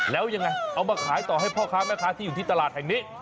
แล้วยังไงเอามาขายต่อให้พ่อค้าแม่ค้าที่อยู่ที่ตลาดแห่งนี้